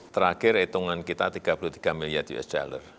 terakhir hitungan kita tiga puluh tiga miliar usd